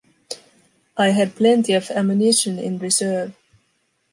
I had plenty of ammunition in reserve.